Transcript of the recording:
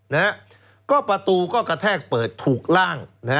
นะฮะก็ประตูก็กระแทกเปิดถูกล่างนะฮะ